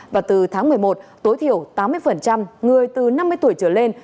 và từ tháng một mươi một tối thiểu tám mươi người từ năm mươi tuổi trở lên